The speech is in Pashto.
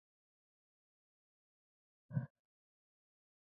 پانګوال مجبور دی چې له کارګرانو زیات کار واخلي